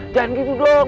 jangan gitu dong